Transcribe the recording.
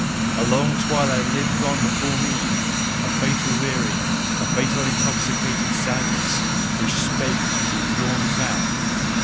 A long twilight limped on before me, a fatally weary, fatally intoxicated sadness, which spake with yawning mouth.